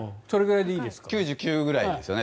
９９くらいですよね。